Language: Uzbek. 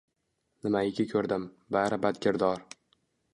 Nimaiki koʼrdim, bari badkirdor.